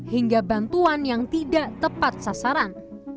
hingga bantuan yang tidak tepat sasaran